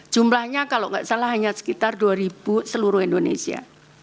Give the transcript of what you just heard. jumlahnya kalau nggak salah hanya sekitar dua seluruh indonesia